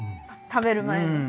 食べる前にね。